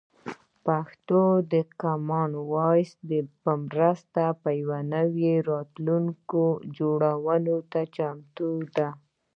پښتو د کامن وایس په مرسته د یو نوي راتلونکي جوړولو ته چمتو ده.